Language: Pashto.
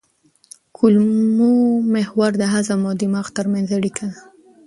کولمو محور د هضم او دماغ ترمنځ اړیکه ده.